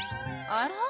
あら？